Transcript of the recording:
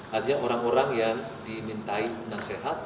artinya orang orang yang dimintai nasihat